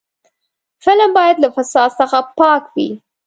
فلم باید له فساد څخه پاک وي